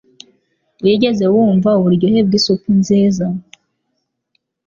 Wigeze wumva uburyohe bwisupu nziza?